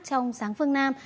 trong sáng phương nam